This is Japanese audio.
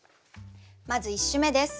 まず１首目です。